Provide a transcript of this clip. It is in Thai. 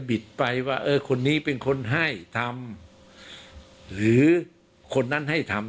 ไปว่าเออคนนี้เป็นคนให้ทำหรือคนนั้นให้ทำ